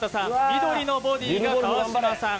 緑のボディーが川島さん